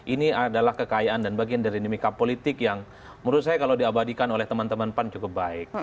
ini adalah kekayaan dan bagian dari dinamika politik yang menurut saya kalau diabadikan oleh teman teman pan cukup baik